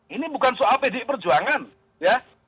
ini bukan soal pdi perjuangan ya